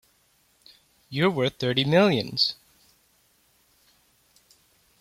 You're worth thirty millions!